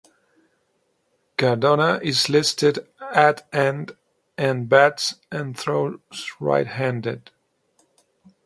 Cardona is listed at and and bats and throws right handed.